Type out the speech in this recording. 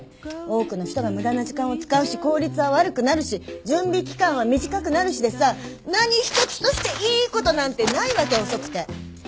多くの人が無駄な時間を使うし効率は悪くなるし準備期間は短くなるしでさ何一つとしていいことなんてないわけ遅くて。